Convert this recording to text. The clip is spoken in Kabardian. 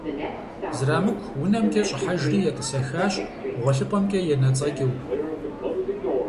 Зырамыку унэм щӏыхьэжри етӏысэхащ, гъуэлъыпӏэмкӏэ енэцӏэкӏыу.